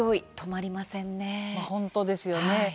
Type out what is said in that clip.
本当ですよね。